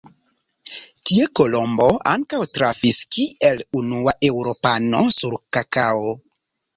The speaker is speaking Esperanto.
Tie Kolombo ankaŭ trafis kiel unua eŭropano sur kakao.